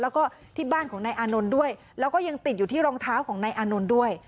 แล้วก็ที่บ้านของนายอานนท์ด้วยแล้วก็ยังติดอยู่ที่รองเท้าของนายอานนท์ด้วย